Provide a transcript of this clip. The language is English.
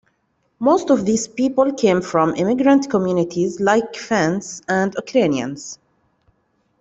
Most of these people came from immigrant communities like Finns and Ukrainians.